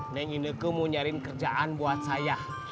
neng ineke mau nyarin kerjaan buat saya